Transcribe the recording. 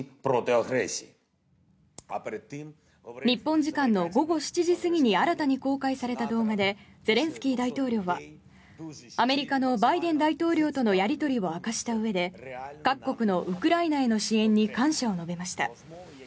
日本時間の午後７時過ぎに新たに公開された動画でゼレンスキー大統領はアメリカのバイデン大統領とのやり取りを明かしたうえで各国のウクライナへの支援に感謝を述べました。